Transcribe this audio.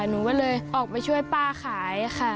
หนูก็เลยออกไปช่วยป้าขายค่ะ